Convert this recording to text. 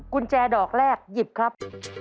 กุญแจดอกแรกหยิบครับ